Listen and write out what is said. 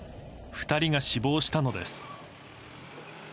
２人が死亡したのです。